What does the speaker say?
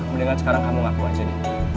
mendingan sekarang kamu ngaku aja nih